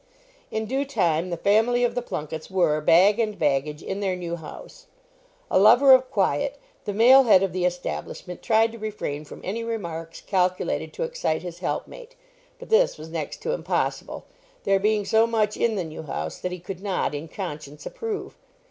In due time, the family of the Plunkets were, bag and baggage, in their new house. A lover of quiet, the male head of the establishment tried to refrain from any remarks calculated to excite his helpmate, but this was next to impossible, there being so much in the new house that he could not, in conscience, approve.